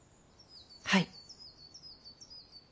はい。